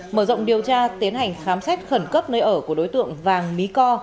mở rộng điều tra tiến hành khám xét khẩn cấp nơi ở của đối tượng vàng mỹ co